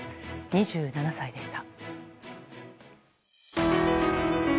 ２７歳でした。